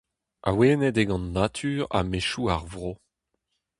Awenet eo gant natur ha maezioù ar vro.